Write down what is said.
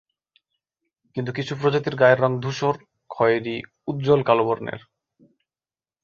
কিন্তু কিছু প্রজাতির গায়ের রঙ ধূসর, খয়েরী, উজ্জল কালো বর্ণের।